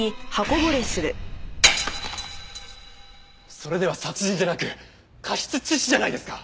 それでは殺人じゃなく過失致死じゃないですか！